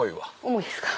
重いですか？